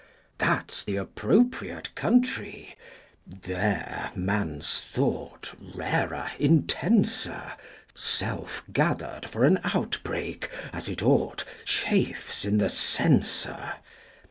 That's the appropriate country; there, man's thought, Rarer, intenser, 10 Self gathered for an outbreak, as it ought, Chafes in the censer.